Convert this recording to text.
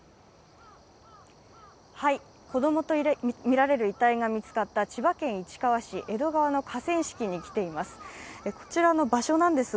子供とみられる遺体が見つかった千葉県市川市、江戸川の河川敷に来ています。